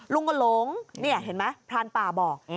ลุงก็หลงนี่เห็นไหมพรานป่าบอก